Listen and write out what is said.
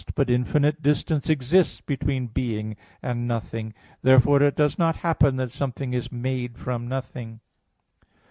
But infinite distance exists between being and nothing. Therefore it does not happen that something is made from nothing.